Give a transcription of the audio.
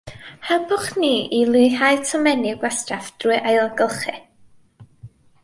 Helpwch ni i leihau tomenni gwastraff drwy ailgylchu